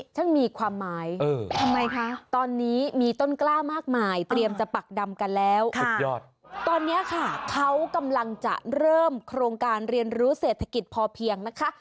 ฉันมีความหมายทำไมคะตอนนี้มีต้นกล้ามากมายเตรียมจะปักดำกันแล้วสุดยอดตอนนี้ค่ะเขากำลังจะเริ่มโครงการเรียนรู้เศรษฐกิจพอเพียงนะคะ